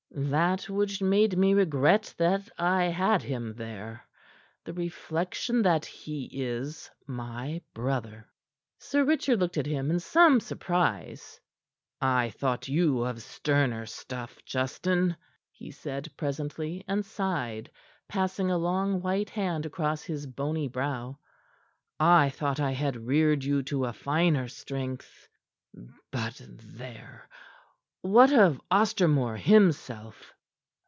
"That which made me regret that I had him there; the reflection that he is my brother." Sir Richard looked at him in some surprise. "I thought you of sterner stuff, Justin," he said presently, and sighed, passing a long white hand across his bony brow. "I thought I had reared you to a finer strength. But there! What of Ostermore himself?"